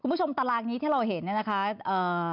คุณผู้ชมตารางนี้ที่เราเห็นเนี้ยนะคะอ่า